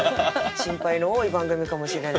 心配の多い番組かもしれないです。